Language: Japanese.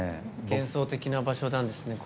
幻想的な場所なんですね。